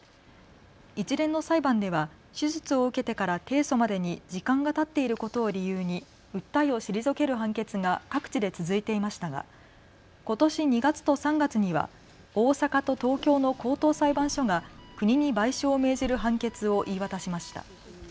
一連の裁判では手術を受けてから提訴までに時間がたっていることを理由に訴えを退ける判決が各地で続いていましたがことし２月と３月には大阪と東京の高等裁判所が国に賠償を命じる判決を言い渡しました。